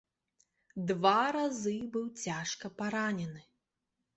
Два разы быў цяжка паранены.